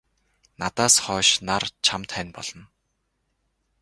Надаас хойш нар чамд хань болно.